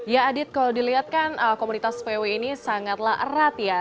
ya adit kalau dilihat kan komunitas vw ini sangatlah erat ya